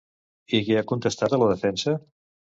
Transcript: I què ha contestat a la defensa?